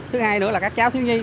thứ hai nữa là các cháu thiếu nhi